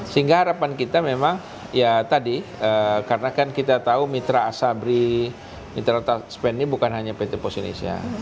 sehingga harapan kita memang ya tadi karena kan kita tahu mitra asabri mitra tax pen ini bukan hanya pt pos indonesia